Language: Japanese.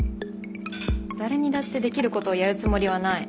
誰にだってできることをやるつもりはない。